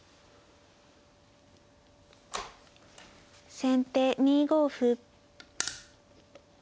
先手２五歩。